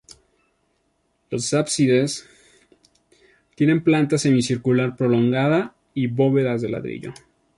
Los ábsides tienen planta semicircular prolongada y bóvedas de ladrillo.